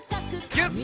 ギュッ！